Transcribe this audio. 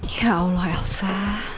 ya allah elsa